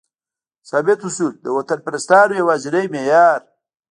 ثابت اصول؛ د وطنپرستانو یوازینی معیار